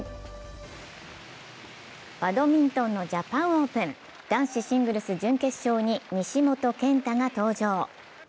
バドミントンのジャパンオープン、男子シングルス準決勝に西本拳太が登場。